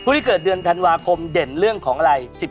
ที่เกิดเดือนธันวาคมเด่นเรื่องของอะไร